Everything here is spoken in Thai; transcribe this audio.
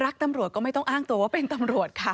รักตำรวจก็ไม่ต้องอ้างตัวว่าเป็นตำรวจค่ะ